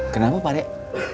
kenapa pak dek